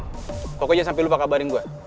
pokoknya sampai lupa kabarin gue